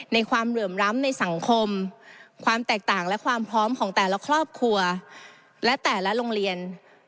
ความเหลื่อมล้ำในสังคมความแตกต่างและความพร้อมของแต่ละครอบครัวและแต่ละโรงเรียน